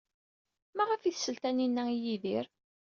Maɣef ay tsell Taninna i Yidir?